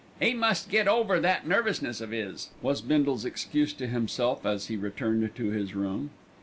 "'E must get over that nervousness of 'is," was Bindle's excuse to himself, as he returned to his room.